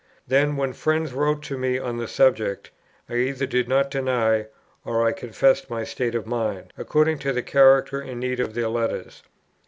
Then, when friends wrote me on the subject, I either did not deny or I confessed my state of mind, according to the character and need of their letters.